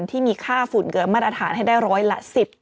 ที่มีค่าฝุ่นเกินมาตรฐานให้ได้ร้อยละ๑๐